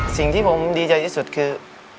สิ่งที่ผมดีใจที่สุดคือ